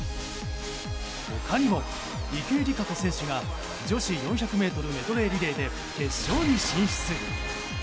他にも池江璃花子選手が女子４００ｍメドレーリレーで決勝に進出。